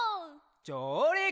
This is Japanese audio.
じょうりく！